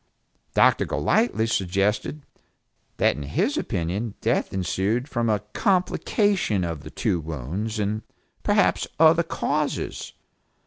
Dr. Golightly suggested that in his opinion death ensued from a complication of the two wounds and perhaps other causes.